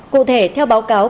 cụ thể theo báo cáo